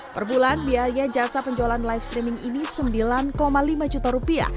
per bulan biaya jasa penjualan live streaming ini sembilan lima juta rupiah